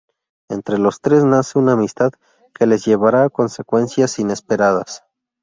Entre los tres nace una amistad que les llevará a consecuencias inesperadas.